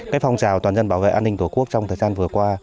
cái phòng rào toàn dân bảo vệ an ninh tổ quốc trong thời gian vừa qua